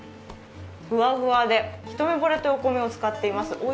ふわふわで、ひとめぼれというお米を使っています。